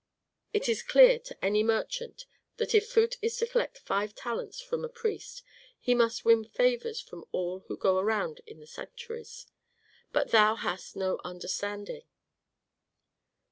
It is clear to any merchant that if Phut is to collect five talents from a priest he must win favors from all who go around in the sanctuaries. But thou hast no understanding."